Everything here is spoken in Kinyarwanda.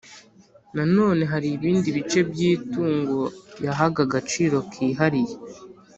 Nanone hari ibindi bice by itungo yahaga agaciro kihariye